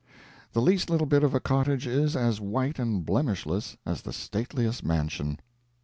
The least little bit of a cottage is as white and blemishless as the stateliest mansion.